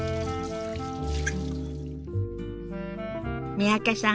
三宅さん